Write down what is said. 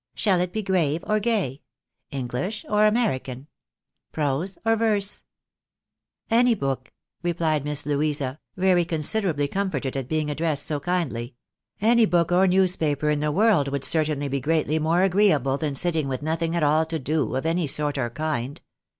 Shall it be grave or gay ? English or American ? Prose or verse ?"" Any book," rephed Miss Louisa, very considerably comforted at being addressed so kindly !" any book or newspaper in the world would certainly be greatly more agreeable than sitting with nothing at all to do, of any sort or kind.